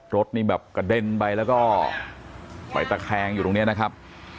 รถนี่แบบกระเด็นไปแล้วก็ไปตะแคงอยู่ตรงนี้นะครับ